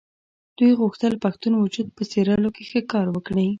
دوی غوښتل پښتون وجود په څېرلو کې ښه کار وکړي.